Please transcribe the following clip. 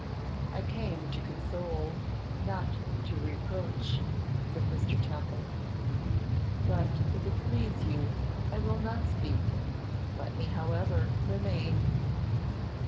'I came to console, not to reproach,' said Mr. Temple. 'But if it please you, I will not speak; let me, however, remain.